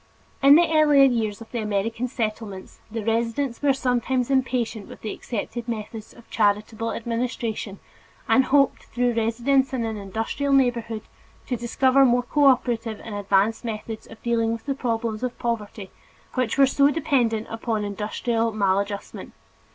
In the earlier years of the American Settlements, the residents were sometimes impatient with the accepted methods of charitable administration and hoped, through residence in an industrial neighborhood, to discover more cooperative and advanced methods of dealing with the problems of poverty which are so dependent upon industrial maladjustment.